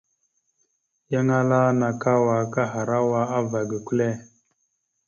Yan ala : nakawa akahərawa ava gukəle.